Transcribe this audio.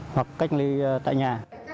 hoặc cách ly tại nhà